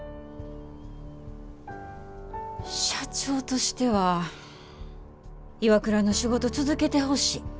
社長としてはＩＷＡＫＵＲＡの仕事続けてほしい。